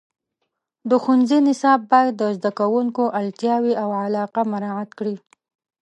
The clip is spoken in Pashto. د ښوونځي نصاب باید د زده کوونکو اړتیاوې او علاقه مراعات کړي.